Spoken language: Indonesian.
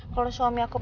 kalau suami aku mencoba